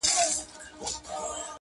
ورځه وريځي نه جــلا ســـولـه نـــن.